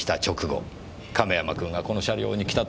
亀山君がこの車両に来た時。